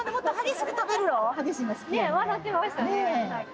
笑ってましたね。